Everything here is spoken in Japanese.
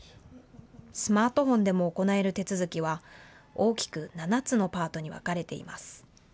スマートフォンでも行える手続きは大きく７つのパートに分かれています。